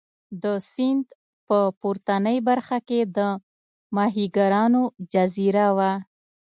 د سیند په پورتنۍ برخه کې د ماهیګیرانو جزیره وه.